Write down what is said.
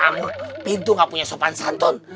kamu pintu gak punya sopan santon